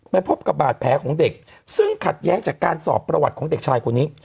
พบกับบาดแผลของเด็กซึ่งขัดแย้งจากการสอบประวัติของเด็กชายคนนี้